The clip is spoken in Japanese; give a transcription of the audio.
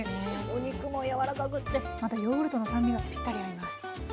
お肉も柔らかくってまたヨーグルトの酸味がピッタリ合います。